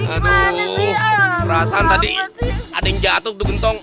aduh perasaan tadi ada yang jatuh di gentong